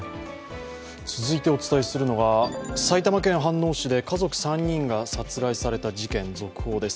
続いてお伝えするのが埼玉県飯能市で家族３人が殺害された事件続報です。